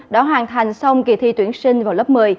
đã hoàn thành xong kỳ thi tuyển sinh vào lớp một mươi